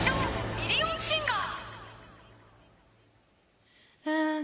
ミリオンシンガー